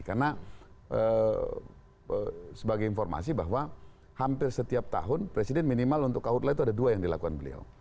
karena sebagai informasi bahwa hampir setiap tahun presiden minimal untuk kautelah itu ada dua yang dilakukan beliau